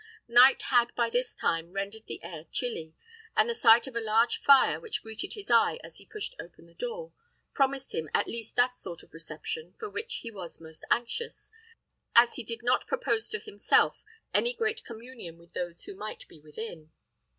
Night had by this time rendered the air chilly; and the sight of a large fire, which greeted his eye as he pushed open the door, promised him at least that sort of reception for which he was most anxious, as he did not propose to himself any great communion with those who might be within.